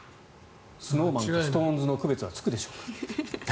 ＳｎｏｗＭａｎとＳｉｘＴＯＮＥＳの区別はつくでしょうか。